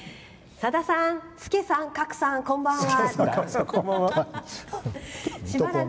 「さださん、助さん角さん、こんばんは！